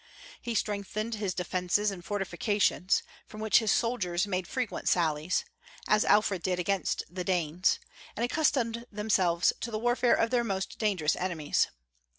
He strengthened his defences and fortifications, from which his soldiers made frequent sallies, as Alfred did against the Danes, and accustomed themselves to the warfare of their most dangerous enemies.